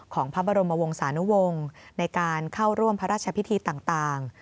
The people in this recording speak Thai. ของพระบรมวงศานุวงศ์ในการเข้าร่วมพระราชพิธีต่าง